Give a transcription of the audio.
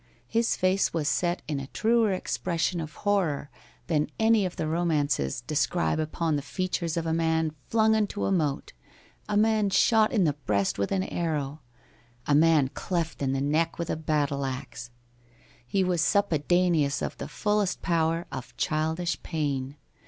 His face was set in a truer expression of horror than any of the romances describe upon the features of a man flung into a moat, a man shot in the breast with an arrow, a man cleft in the neck with a battle axe. He was suppedaneous of the fullest power of childish pain.